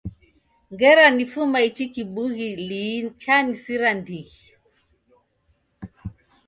Ngera nifuma ichi kibughi lii chanisira ndighi